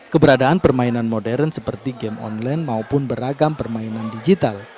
keberadaan permainan modern seperti game online maupun beragam permainan digital